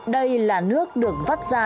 đây là nước được vắt ra